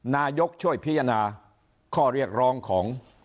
นายกช่วยพิจารณาข้อเรียกร้องของ